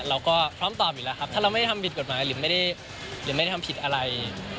เราก็พร้อมตอบอยู่แล้วครับถ้าเราไม่ได้ทำผิดกฎหมายหรือไม่ได้หรือไม่ได้ทำผิดอะไร